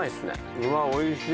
うわ、おいしい。